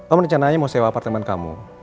om rencananya mau sewa apartemen kamu